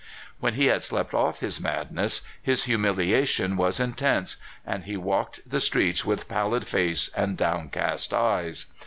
When he had slept off his madness, his humiliation was intense, and he walked the streets with pallid face and downcast eyes.